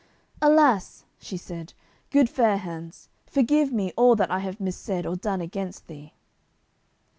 "Alas," she said, "good Fair hands, forgive me all that I have missaid or done against thee."